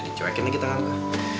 dicoekin lagi tengah gue